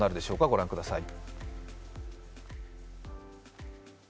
ご覧ください。